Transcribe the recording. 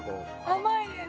甘いです！